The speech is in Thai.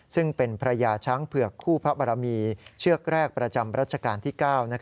ซึ่งเป็นภรรยาช้างเผือกคู่พระบรมีเชือกแรกประจำรัชกาลที่๙